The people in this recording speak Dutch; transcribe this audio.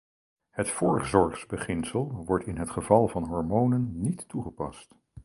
Het voorzorgsbeginsel wordt in het geval van hormonen niet toegepast.